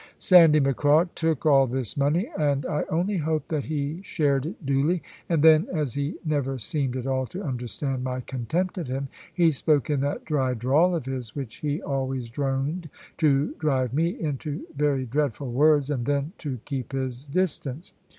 Sandy Macraw took all this money; and I only hope that he shared it duly; and then, as he never seemed at all to understand my contempt of him, he spoke in that dry drawl of his, which he always droned to drive me into very dreadful words, and then to keep his distance.